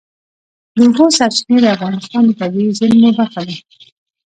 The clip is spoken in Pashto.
د اوبو سرچینې د افغانستان د طبیعي زیرمو برخه ده.